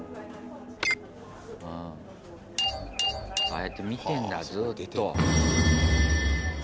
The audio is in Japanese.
ああやって見てんだ、ずっと。